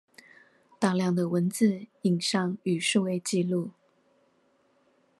大量的文字、影像與數位紀錄